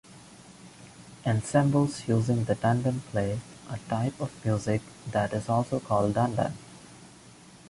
Ensembles using the dundun play a type of music that is also called "dundun".